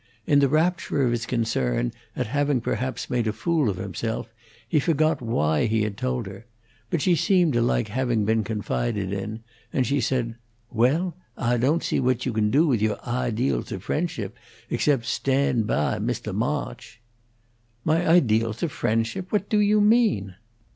In the rapture of his concern at having perhaps made a fool of himself, he forgot why he had told her; but she seemed to like having been confided in, and she said, "Well, Ah don't see what you can do with you' ahdeals of friendship except stand bah Mr. Mawch." "My ideals of friendship? What do you mean?"